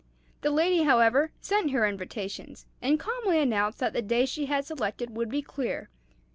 The lady, however, sent her invitations, and calmly announced that the day she had selected would be clear.